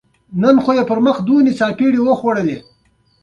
بله ژبه زده کول ښه کار دی خو لومړيتوب د خپلې ژبې وي